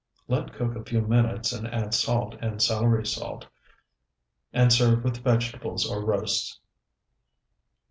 Let cook a few minutes and add salt and celery salt, and serve with vegetables or roasts.